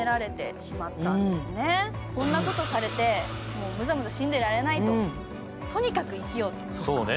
そんなことされてむざむざ死んでいられないととにかく生きようと。